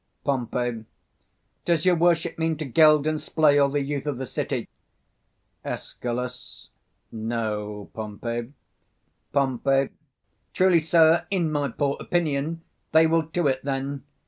215 Pom. Does your worship mean to geld and splay all the youth of the city? Escal. No, Pompey. Pom. Truly, sir, in my poor opinion, they will to't, then.